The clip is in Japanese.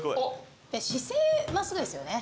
姿勢真っすぐですよね。